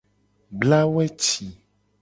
Bla weci.